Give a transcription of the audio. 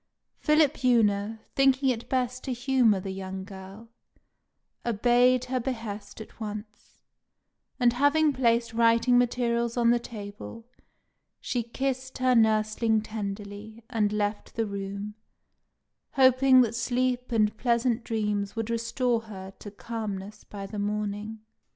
Philipjewna, thinking it best to humour the young girl, obeyed her behest at once; and having placed writing materials on the table, she kissed her nursling tenderly, and left the room, hoping that sleep and pleasant dreams would restore her to calmness by the morning.